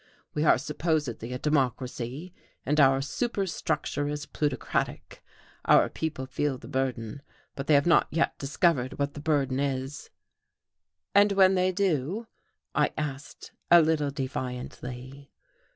We are supposedly a democracy, and our superstructure is plutocratic. Our people feel the burden, but they have not yet discovered what the burden is." "And when they do?" I asked, a little defiantly.